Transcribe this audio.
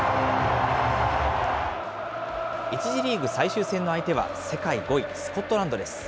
１次リーグ最終戦の相手は、世界５位、スコットランドです。